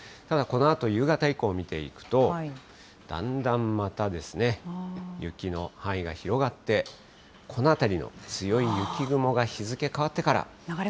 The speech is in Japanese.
ただ、このあと夕方以降を見ていくと、だんだんまた雪の範囲が広がって、この辺りの強い雪雲が、日付変わってから。